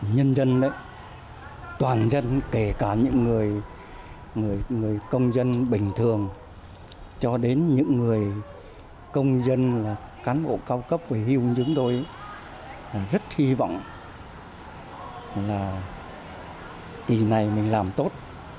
nhân dân toàn dân kể cả những người công dân bình thường cho đến những người công dân cán bộ cao cấp và hiệu dứng đối rất hy vọng là kỳ này mình làm tốt